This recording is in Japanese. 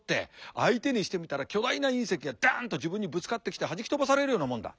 相手にしてみたら巨大な隕石がダンと自分にぶつかってきてはじき飛ばされるようなもんだ。